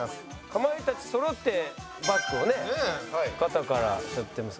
かまいたちそろってバッグをね肩から背負ってます。